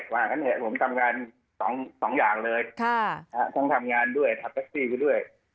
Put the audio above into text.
ผมทำงานสองอย่างเลยทำงานด้วยขับรถแท็กซี่ไปด้วย